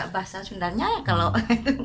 bahasa sundanya ya kalau